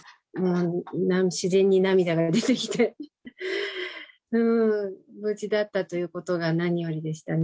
自然に涙が出てきて、無事だったということが何よりでしたね。